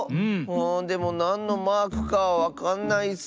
でもなんのマークかはわかんないッス。